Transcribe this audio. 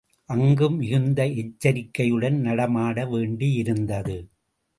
அங்கு மிகுந்த எச்சரிகையுடன் நடமாட வேண்டியிருந்தது.